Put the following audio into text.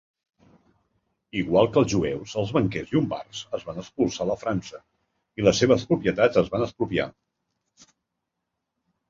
Igual que els jueus, els banquers llombards es van expulsar de França i les seves propietats es van expropiar.